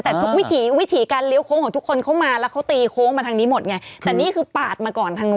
แต่ทุกวิถีวิถีการเลี้ยวโค้งของทุกคนเข้ามาแล้วเขาตีโค้งมาทางนี้หมดไงแต่นี่คือปาดมาก่อนทางนู้น